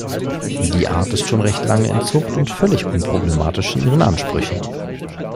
Die Art ist schon recht lange in Zucht und völlig unproblematisch in ihren Ansprüchen.